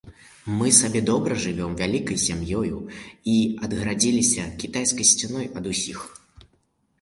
Мы сабе добра жывём вялікай сям'ёю і адгарадзіліся кітайскай сцяною ад усіх.